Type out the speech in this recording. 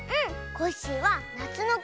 コッシーはなつのき。